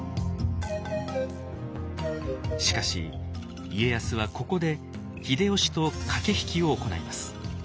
しかし家康はここで秀吉と駆け引きを行います。